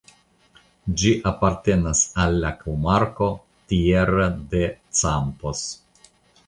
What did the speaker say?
Ĝi apartenas al la komarko "Tierra de Campos".